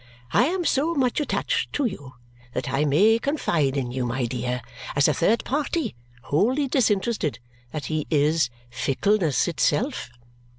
"I am so much attached to you that I may confide in you, my dear, as a third party wholly disinterested, that he is fickleness itself."